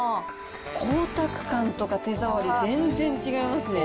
光沢感とか手触り、全然違いますね。